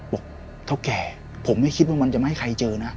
บอกเท่าแก่ผมไม่คิดว่ามันจะไม่ให้ใครเจอนะ